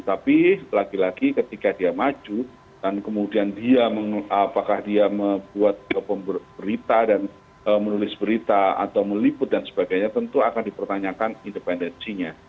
tapi lagi lagi ketika dia maju dan kemudian dia apakah dia membuat berita dan menulis berita atau meliput dan sebagainya tentu akan dipertanyakan independensinya